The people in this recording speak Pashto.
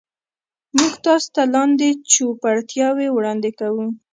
موږ تاسو ته لاندې چوپړتیاوې وړاندې کوو.